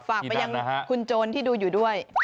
ฝากไปยังคุณโจรที่ดูอยู่ด้วย